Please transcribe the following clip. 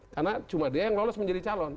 karena cuma dia yang lolos menjadi calon